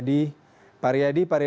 dian firmansyah purwakarta